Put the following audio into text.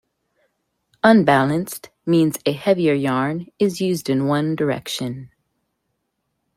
Unbalanced means a heavier yarn is used in one direction.